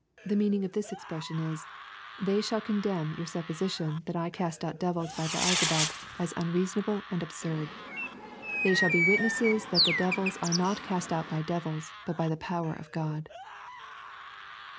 ] The meaning of this expression ia, " They shall condemn your suppositit n that I cast out devils by 22 EXPOSITORY THOUGHTS. Beelzu\)ub, as uiireasonable and absurd. They shall be witnesses that devils are not cast out by devils, but by he power of God."